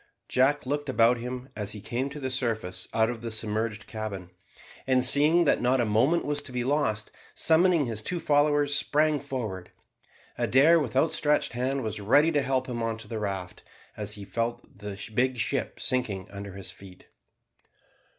Jack looked about him as he came to the surface out of the submerged cabin, and seeing that not a moment was to be lost, summoning his two followers, sprang forward. Adair, with outstretched hand, was ready to help him on to the raft as he felt the big ship sinking under his feet.